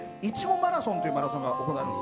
マラソンというマラソンが行われるんです。